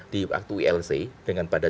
di waktu ilc dengan pada